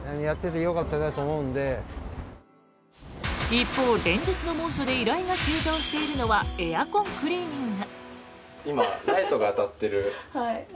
一方、連日の猛暑で依頼が急増しているのはエアコンクリーニング。